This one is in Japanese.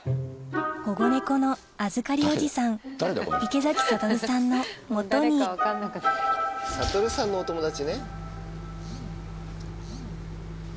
保護猫の預かりおじさん池崎慧さんのもとに慧さんのお友達ね。